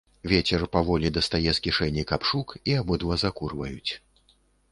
Вецер паволі дастае з кішэні капшук, і абодва закурваюць.